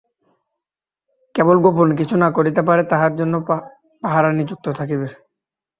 কেবল গােপনে কিছু না করিতে পারে তাহার জন্য পাহারা নিযুক্ত থাকিবে।